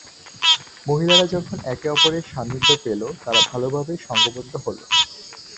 মহিলারা যখন একে অপরের সান্নিধ্য পেল তারা ভালোভাবেই সংঘবদ্ধ হল।